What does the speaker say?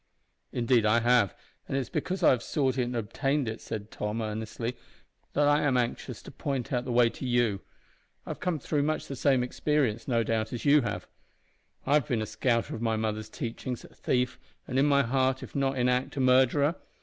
"Indeed I have, and it is because I have sought it and obtained it," said Tom, earnestly, "that I am anxious to point out the way to you. I've come through much the same experiences, no doubt, as you have. I have been a scouter of my mother's teachings, a thief, and, in heart if not in act, a murderer.